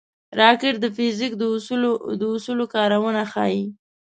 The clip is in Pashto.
راکټ د فزیک د اصولو کارونه ښيي